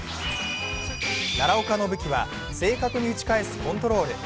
奈良岡の武器は正確に打ち返すコントロール。